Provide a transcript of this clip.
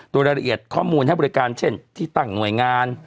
โดยรายละเอียดข้อมูลให้บริการเช่นที่ตั้งหน่วยงาน